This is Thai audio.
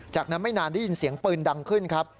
จากนั้นไม่นานได้ยินเสียงปืนดังขึ้นครับ